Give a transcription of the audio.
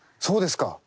そうですか！